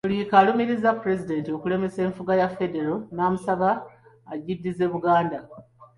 Muliika alumiriza Pulezidenti okulemesa enfuga ya Federo namusaba agiddize Buganda.